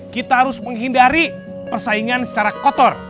kita harus menghindari persaingan secara kotor